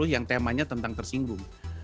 yang temanya tentang tersinggung